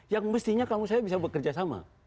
yang mestinya kamu saya bisa bekerja sama